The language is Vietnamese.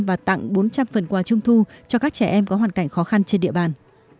và tặng bốn trăm linh phần quà trung thu cho các trẻ em có hoàn cảnh khó khăn trên địa bàn